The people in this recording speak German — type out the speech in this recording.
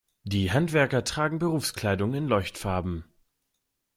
Die Handwerker tragen Berufskleidung in Leuchtfarben.